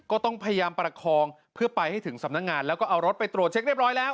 ก็ต้องพยายามประคองเพื่อไปให้ถึงสำนักงานแล้วก็เอารถไปตรวจเช็คเรียบร้อยแล้ว